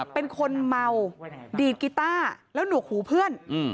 เป็นคนเมาดีดกีต้าแล้วหนวกหูเพื่อน